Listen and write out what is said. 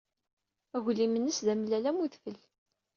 Aglim-nnes d amellal am udfel.